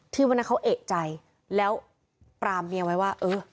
วันนั้นเขาเอกใจแล้วปรามเมียไว้ว่าเออ